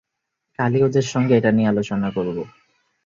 কালই ওদের সঙ্গে এটা নিয়ে আলোচনা করব।